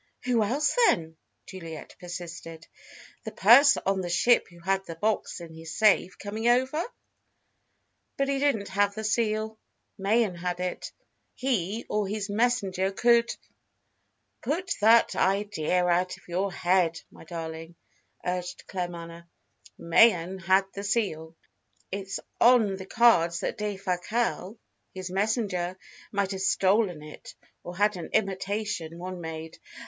"Who else, then?" Juliet persisted. "The purser on the ship, who had the box in his safe, coming over? But he didn't have the seal. Mayen had it. He or his messenger could " "Put that idea out of your head, my darling," urged Claremanagh. "Mayen had the seal, and of course it's on the cards that Defasquelle, his messenger, might have stolen it or had an imitation one made.